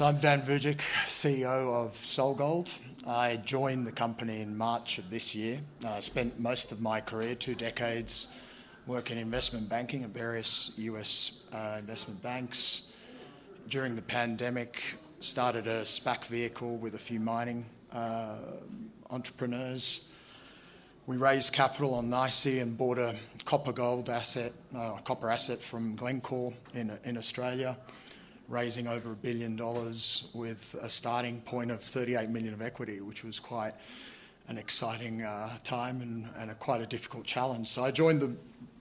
I'm Dan Vujcic, CEO of SolGold. I joined the company in March of this year. I spent most of my career, two decades, working in investment banking at various U.S. investment banks. During the pandemic, I started a SPAC vehicle with a few mining entrepreneurs. We raised capital on NYSE and bought a copper-gold asset, a copper asset from Glencore in Australia, raising over $1 billion with a starting point of $38 million of equity, which was quite an exciting time and quite a difficult challenge. I joined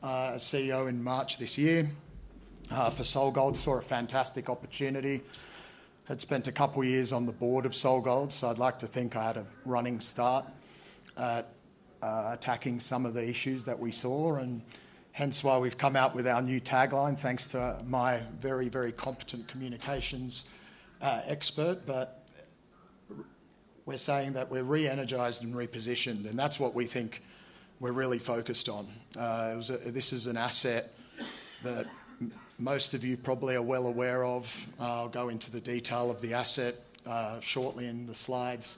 as CEO in March this year for SolGold, saw a fantastic opportunity. I had spent a couple of years on the board of SolGold, so I'd like to think I had a running start at attacking some of the issues that we saw, and hence why we've come out with our new tagline, thanks to my very, very competent communications expert. But we're saying that we're re-energized and repositioned, and that's what we think we're really focused on. This is an asset that most of you probably are well aware of. I'll go into the detail of the asset shortly in the slides.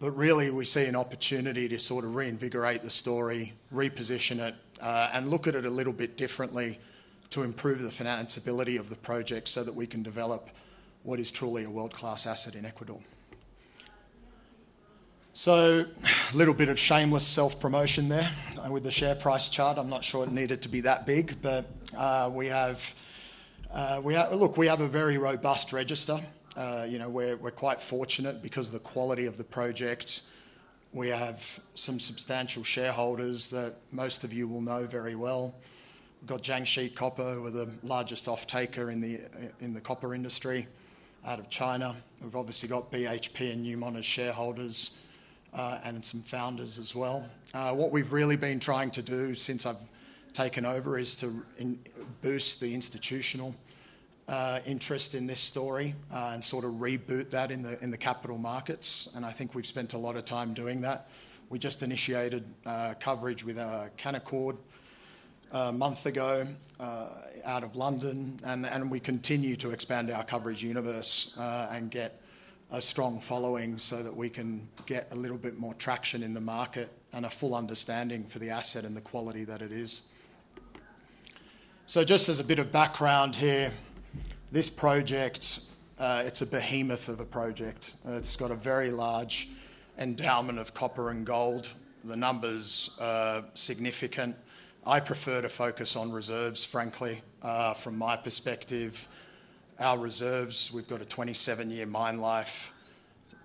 But really, we see an opportunity to sort of reinvigorate the story, reposition it, and look at it a little bit differently to improve the financeability of the project so that we can develop what is truly a world-class asset in Ecuador. So a little bit of shameless self-promotion there. With the share price chart, I'm not sure it needed to be that big, but we have, look, we have a very robust register. We're quite fortunate because of the quality of the project. We have some substantial shareholders that most of you will know very well. We've got Jiangxi Copper, who are the largest off-taker in the copper industry out of China. We've obviously got BHP and Newmont shareholders and some founders as well. What we've really been trying to do since I've taken over is to boost the institutional interest in this story and sort of reboot that in the capital markets, and I think we've spent a lot of time doing that. We just initiated coverage with Canaccord a month ago out of London, and we continue to expand our coverage universe and get a strong following so that we can get a little bit more traction in the market and a full understanding for the asset and the quality that it is. So just as a bit of background here, this project, it's a behemoth of a project. It's got a very large endowment of copper and gold. The numbers are significant. I prefer to focus on reserves, frankly, from my perspective. Our reserves, we've got a 27-year mine life.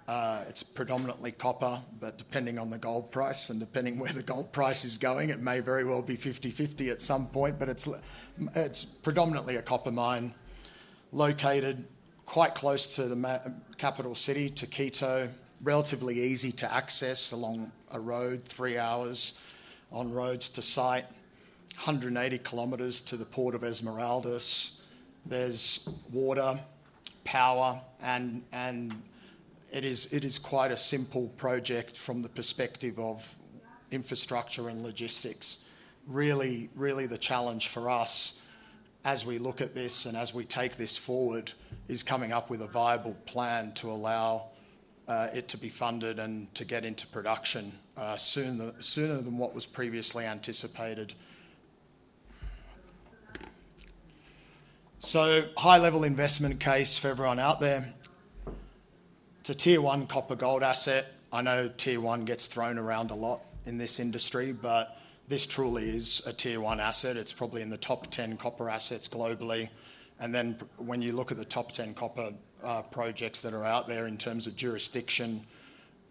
It's predominantly copper, but depending on the gold price and depending where the gold price is going, it may very well be 50/50 at some point, but it's predominantly a copper mine located quite close to the capital city, Quito. Relatively easy to access along a road, three hours on roads to site, 180 km to the port of Esmeraldas. There's water, power, and it is quite a simple project from the perspective of infrastructure and logistics. Really, really the challenge for us as we look at this and as we take this forward is coming up with a viable plan to allow it to be funded and to get into production sooner than what was previously anticipated. So high-level investment case for everyone out there. It's a Tier 1 copper-gold asset. I know Tier 1 gets thrown around a lot in this industry, but this truly is a Tier 1 asset. It's probably in the top 10 copper assets globally. And then when you look at the top 10 copper projects that are out there in terms of jurisdiction,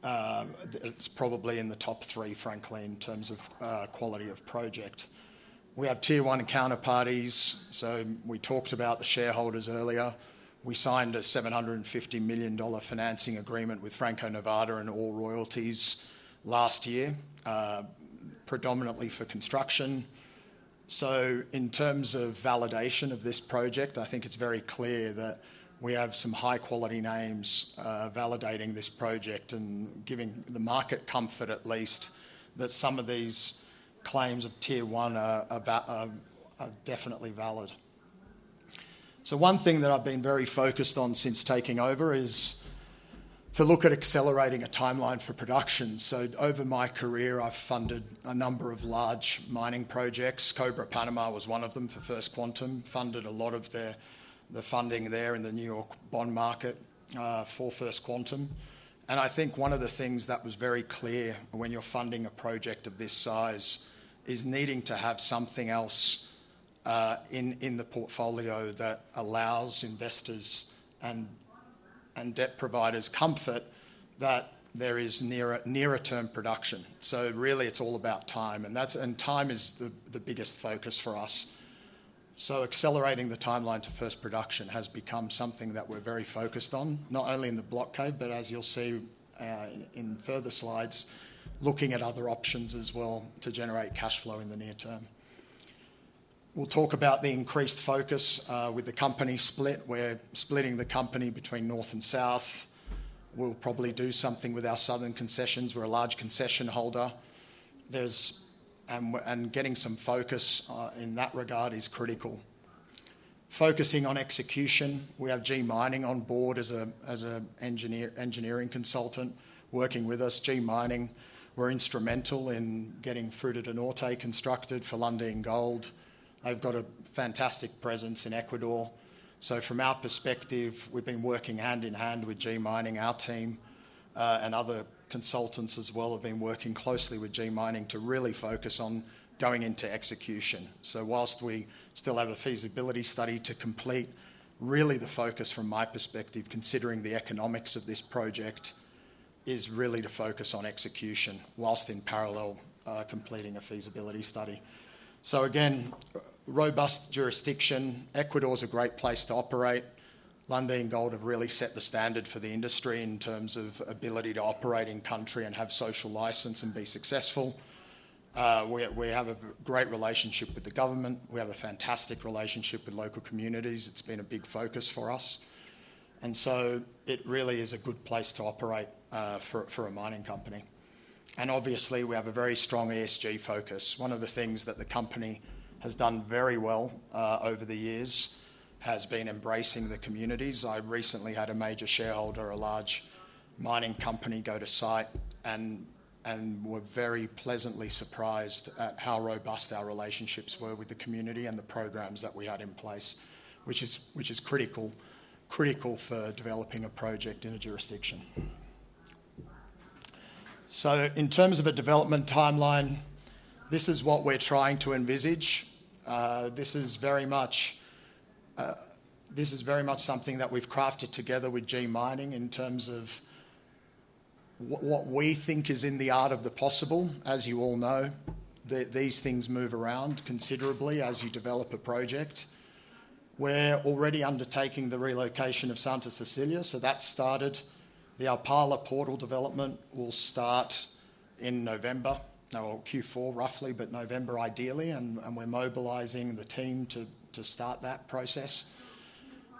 it's probably in the top three, frankly, in terms of quality of project. We have Tier 1 counterparties. So we talked about the shareholders earlier. We signed a $750 million financing agreement with Franco-Nevada and Osisko Gold Royalties last year, predominantly for construction. So in terms of validation of this project, I think it's very clear that we have some high-quality names validating this project and giving the market comfort, at least, that some of these claims of Tier 1 are definitely valid. So one thing that I've been very focused on since taking over is to look at accelerating a timeline for production. So over my career, I've funded a number of large mining projects. Cobre Panamá was one of them for First Quantum, funded a lot of the funding there in the New York bond market for First Quantum. I think one of the things that was very clear when you're funding a project of this size is needing to have something else in the portfolio that allows investors and debt providers comfort that there is nearer-term production. So really, it's all about time, and time is the biggest focus for us. So accelerating the timeline to first production has become something that we're very focused on, not only in the block cave, but as you'll see in further slides, looking at other options as well to generate cash flow in the near term. We'll talk about the increased focus with the company split. We're splitting the company between north and south. We'll probably do something with our southern concessions. We're a large concession holder. And getting some focus in that regard is critical. Focusing on execution. We have G Mining on board as an engineering consultant working with us. G Mining, we're instrumental in getting Fruta del Norte constructed for Lundin Gold. They've got a fantastic presence in Ecuador. So from our perspective, we've been working hand in hand with G Mining. Our team and other consultants as well have been working closely with G Mining to really focus on going into execution. So whilst we still have a feasibility study to complete, really the focus from my perspective, considering the economics of this project, is really to focus on execution whilst in parallel completing a feasibility study. So again, robust jurisdiction. Ecuador is a great place to operate. Lundin Gold have really set the standard for the industry in terms of ability to operate in country and have social license and be successful. We have a great relationship with the government. We have a fantastic relationship with local communities. It's been a big focus for us, and so it really is a good place to operate for a mining company, and obviously, we have a very strong ESG focus. One of the things that the company has done very well over the years has been embracing the communities. I recently had a major shareholder, a large mining company, go to site, and we're very pleasantly surprised at how robust our relationships were with the community and the programs that we had in place, which is critical for developing a project in a jurisdiction, so in terms of a development timeline, this is what we're trying to envisage. This is very much something that we've crafted together with G Mining in terms of what we think is in the art of the possible. As you all know, these things move around considerably as you develop a project. We're already undertaking the relocation of Santa Cecilia, so that started. The Alpala portal development will start in November, or Q4 roughly, but November ideally, and we're mobilizing the team to start that process.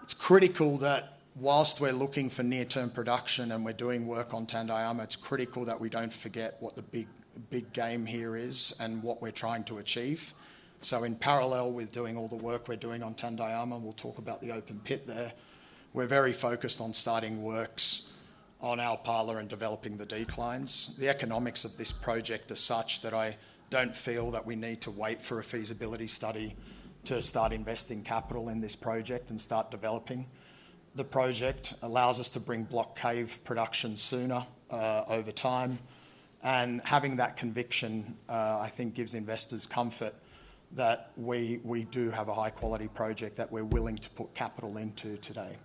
It's critical that while we're looking for near-term production and we're doing work on Tandayama, it's critical that we don't forget what the big game here is and what we're trying to achieve. So in parallel with doing all the work we're doing on Tandayama, we'll talk about the open pit there. We're very focused on starting works on Alpala and developing the declines. The economics of this project are such that I don't feel that we need to wait for a feasibility study to start investing capital in this project and start developing the project. It allows us to bring block cave production sooner over time, and having that conviction, I think, gives investors comfort that we do have a high-quality project that we're willing to put capital into today.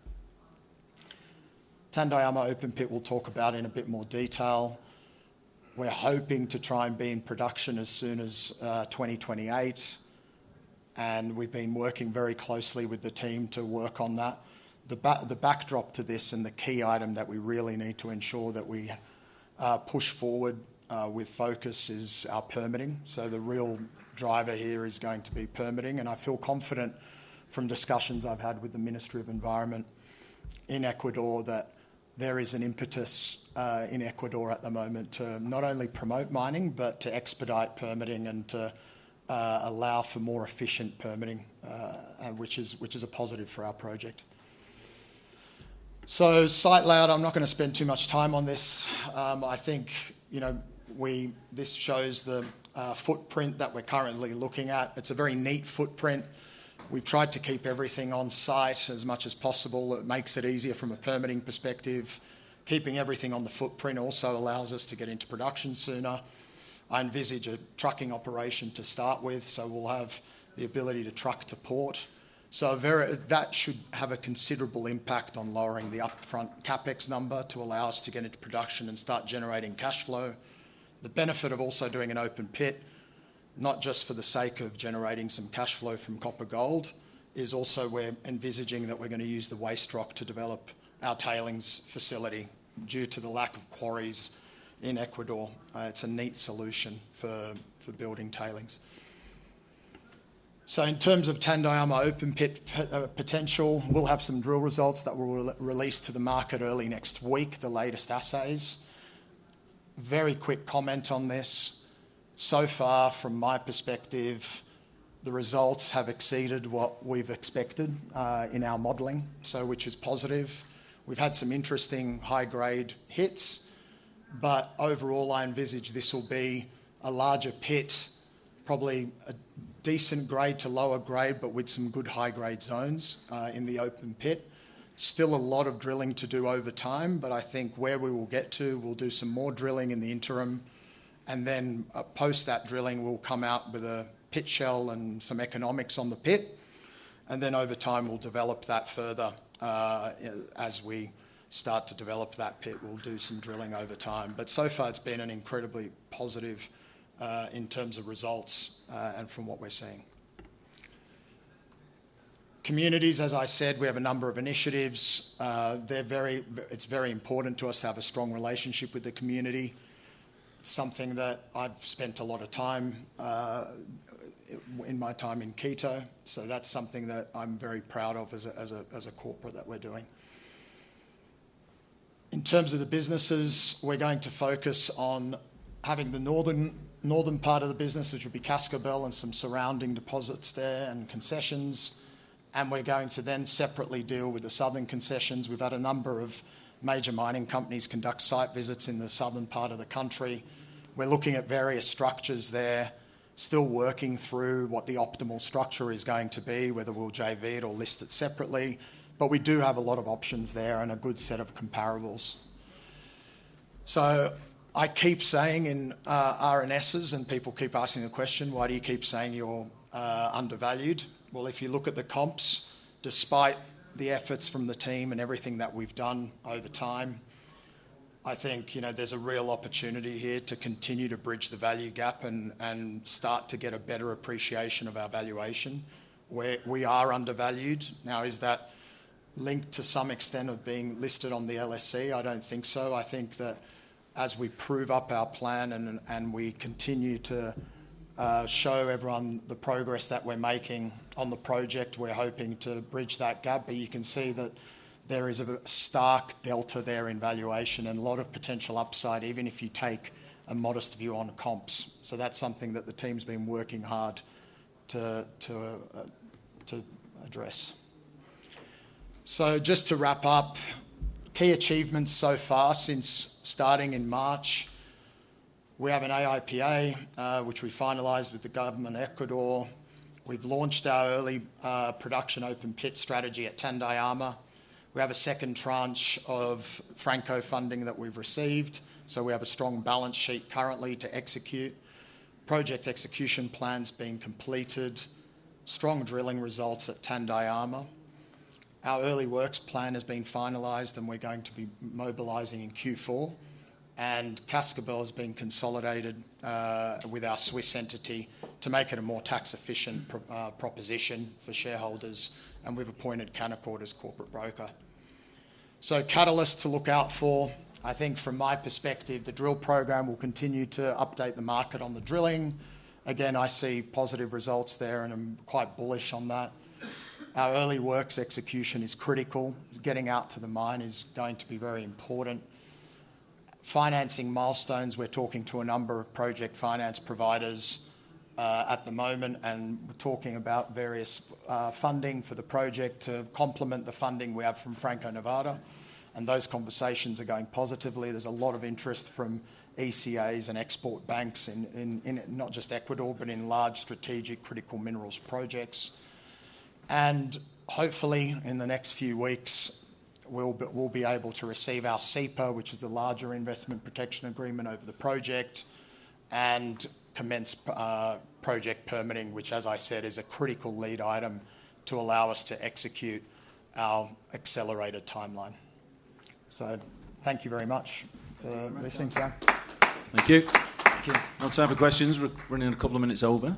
Tandayama open pit we'll talk about in a bit more detail. We're hoping to try and be in production as soon as 2028, and we've been working very closely with the team to work on that. The backdrop to this and the key item that we really need to ensure that we push forward with focus is our permitting, so the real driver here is going to be permitting. I feel confident from discussions I've had with the Ministry of Environment in Ecuador that there is an impetus in Ecuador at the moment to not only promote mining, but to expedite permitting and to allow for more efficient permitting, which is a positive for our project. Site layout, I'm not going to spend too much time on this. I think this shows the footprint that we're currently looking at. It's a very neat footprint. We've tried to keep everything on site as much as possible. It makes it easier from a permitting perspective. Keeping everything on the footprint also allows us to get into production sooner. I envisage a trucking operation to start with, so we'll have the ability to truck to port. So that should have a considerable impact on lowering the upfront CapEx number to allow us to get into production and start generating cash flow. The benefit of also doing an open pit, not just for the sake of generating some cash flow from copper-gold, is also we're envisaging that we're going to use the waste rock to develop our tailings facility due to the lack of quarries in Ecuador. It's a neat solution for building tailings. So in terms of Tandayama open pit potential, we'll have some drill results that we'll release to the market early next week, the latest assays. Very quick comment on this. So far, from my perspective, the results have exceeded what we've expected in our modeling, which is positive. We've had some interesting high-grade hits, but overall, I envisage this will be a larger pit, probably a decent grade to lower grade, but with some good high-grade zones in the open pit. Still a lot of drilling to do over time, but I think where we will get to, we'll do some more drilling in the interim, and then post that drilling, we'll come out with a pit shell and some economics on the pit. And then over time, we'll develop that further. As we start to develop that pit, we'll do some drilling over time. But so far, it's been an incredibly positive in terms of results and from what we're seeing. Communities, as I said, we have a number of initiatives. It's very important to us to have a strong relationship with the community, something that I've spent a lot of time in my time in Quito. That's something that I'm very proud of as a corporate that we're doing. In terms of the businesses, we're going to focus on having the northern part of the business, which would be Cascabel and some surrounding deposits there and concessions. We're going to then separately deal with the southern concessions. We've had a number of major mining companies conduct site visits in the southern part of the country. We're looking at various structures there, still working through what the optimal structure is going to be, whether we'll JV it or list it separately. We do have a lot of options there and a good set of comparables. So I keep saying in RNSs, and people keep asking the question, "Why do you keep saying you're undervalued?" Well, if you look at the comps, despite the efforts from the team and everything that we've done over time, I think there's a real opportunity here to continue to bridge the value gap and start to get a better appreciation of our valuation. We are undervalued. Now, is that linked to some extent of being listed on the LSE? I don't think so. I think that as we prove up our plan and we continue to show everyone the progress that we're making on the project, we're hoping to bridge that gap. But you can see that there is a stark delta there in valuation and a lot of potential upside, even if you take a modest view on comps. So that's something that the team's been working hard to address. So just to wrap up, key achievements so far since starting in March. We have an IPA, which we finalized with the government in Ecuador. We've launched our early production open pit strategy at Tandayama. We have a second tranche of Franco funding that we've received. So we have a strong balance sheet currently to execute. Project execution plans being completed. Strong drilling results at Tandayama. Our early works plan has been finalized, and we're going to be mobilizing in Q4. And Cascabel has been consolidated with our Swiss entity to make it a more tax-efficient proposition for shareholders. And we've appointed Canaccord as corporate broker. So catalysts to look out for. I think from my perspective, the drill program will continue to update the market on the drilling. Again, I see positive results there, and I'm quite bullish on that. Our early works execution is critical. Getting out to the mine is going to be very important. Financing milestones. We're talking to a number of project finance providers at the moment, and we're talking about various funding for the project to complement the funding we have from Franco-Nevada, and those conversations are going positively. There's a lot of interest from ECAs and export banks in not just Ecuador, but in large strategic critical minerals projects, and hopefully, in the next few weeks, we'll be able to receive our CIPA, which is the larger investment protection agreement over the project, and commence project permitting, which, as I said, is a critical lead item to allow us to execute our accelerated timeline, so thank you very much for listening today. Thank you. Thank you. Open for questions. We're running a couple of minutes over.